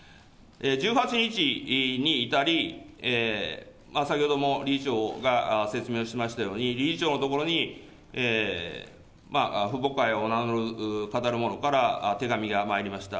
１８日に至り、先ほども理事長が説明をしましたように、理事長の所に父母会を名乗る、かたる者から手紙がまいりました。